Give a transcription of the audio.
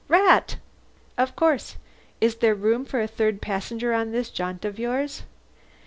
"Rat!" "Of course. Is there room for a third passenger on this jaunt of yours?"